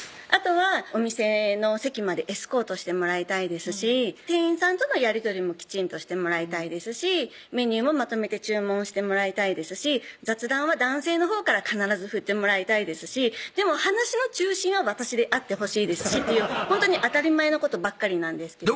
あとはお店の席までエスコートしてもらいたいですし店員さんとのやり取りもきちんとしてもらいたいですしメニューもまとめて注文してもらいたいですし雑談は男性のほうから必ず振ってもらいたいですしでも話の中心は私であってほしいですしっていうほんとに当たり前のことばっかりなんです